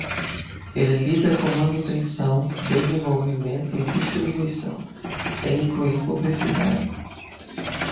Ele lida com manutenção, desenvolvimento e distribuição, sem incluir publicidade.